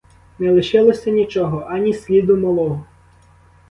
Не лишилося нічого, ані сліду малого.